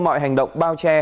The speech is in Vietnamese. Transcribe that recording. mọi hành động bao che